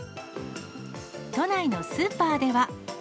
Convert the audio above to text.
都内のスーパーでは。